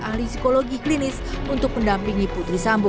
ahli psikologi klinis untuk mendampingi putri sambo